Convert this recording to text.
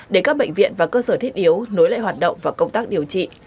để các bệnh viện và cơ sở thiết yếu nối lại hoạt động và công tác điều trị